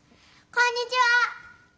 こんにちは！